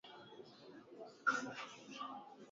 iendelea kumbaki somali msikilizaji maharamia wa kisomali